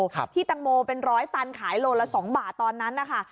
ครับที่ตังโมเป็นร้อยตันขายโลละสองบาทตอนนั้นนะคะ